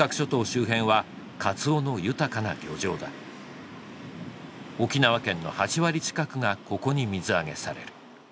周辺は鰹の豊かな漁場だ沖縄県の８割近くがここに水揚げされる